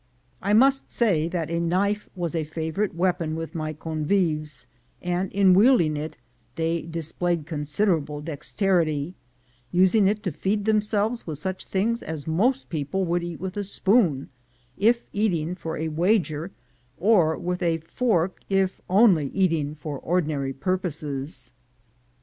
I must say that a knife was a favorite weapon with my convives, and in wielding it they displayed considerable dexterity, using it to feed themselves with such things as most people would eat with a spoon, if eating for a wager, or with a fork if only eating for ordinary purposes.